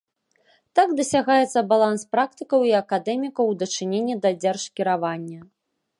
Так дасягаецца баланс практыкаў і акадэмікаў у дачыненні да дзяржкіравання.